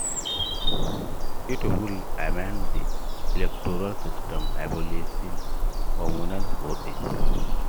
It would amend the electoral system, abolishing communal voting.